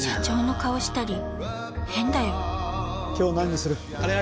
今日何にする？